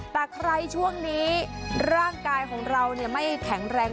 แต่ใครช่วงนี้ร่างกายของเราไม่แข็งแรง